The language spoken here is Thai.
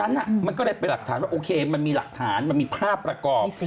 เย็นน่ามันก็ได้ไปหลังแล้วโอเคมันมีหลักฐานมันมีภาพประกอบ